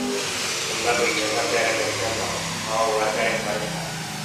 Sondako itsasartearen ertzean dago, Java uhartearen parez pare.